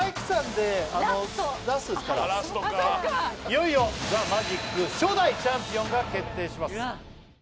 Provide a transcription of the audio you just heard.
いよいよ『ＴＨＥＭＡＧＩＣ』初代チャンピオンが決定します。